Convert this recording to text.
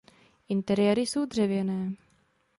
Interiéry jsou dřevěné.